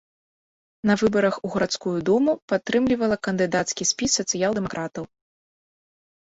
На выбарах у гарадскую думу падтрымлівала кандыдацкі спіс сацыял-дэмакратаў.